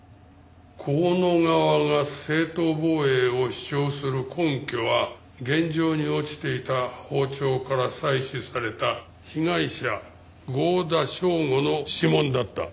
香野側が正当防衛を主張する根拠は現場に落ちていた包丁から採取された被害者剛田祥吾の指紋だった。